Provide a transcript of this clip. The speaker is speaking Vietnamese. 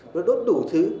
nó đốt đủ thứ